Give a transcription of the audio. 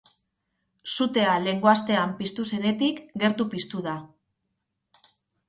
Sutea lehengo astean piztu zenetik gertu piztu da.